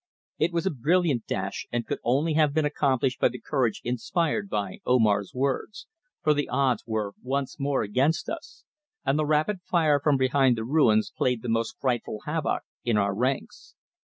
It was a brilliant dash and could only have been accomplished by the courage inspired by Omar's words, for the odds were once more against us, and the rapid fire from behind the ruins played the most frightful havoc in our ranks.